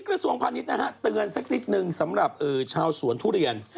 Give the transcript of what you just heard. กระทรวงพาณิชย์นะฮะเตือนสักนิดนึงสำหรับชาวสวนทุเรียน